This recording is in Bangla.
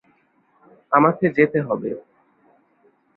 আমাকে যেতে হবে।